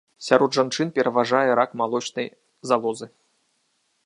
Сярод жанчын пераважае рак малочнай залозы.